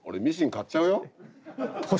買っちゃうよ俺。